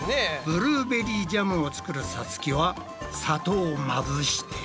ブルーベリージャムを作るさつきは砂糖をまぶして。